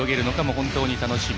本当に楽しみ。